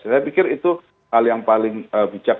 saya pikir itu hal yang paling bijak